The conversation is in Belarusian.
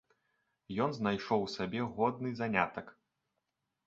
Ён знайшоў сабе годны занятак.